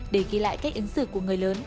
để ghi lại cách ứng xử của người lớn